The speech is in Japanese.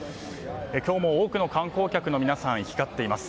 今日も多くの観光客の皆さんが行き交っています。